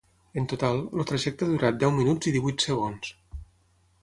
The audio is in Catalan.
En total, el trajecte ha durat deu minuts i divuit segons.